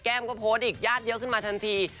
ก็โพสต์อีกญาติเยอะขึ้นมาทันที